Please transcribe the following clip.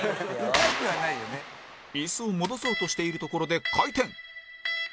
イスを戻そうとしているところで回転